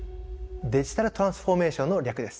デジタルトランスフォーメーションの略です。